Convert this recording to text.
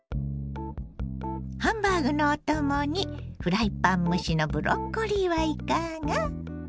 ハンバーグのお供にフライパン蒸しのブロッコリーはいかが？